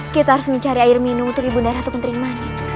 kita harus mencari air minum untuk ibu darah tukang terima